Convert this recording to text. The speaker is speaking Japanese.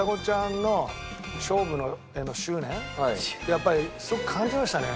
やっぱりすごく感じましたね。